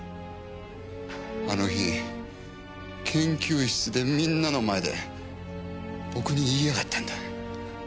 あの日研究室でみんなの前で僕に言いやがったんだ。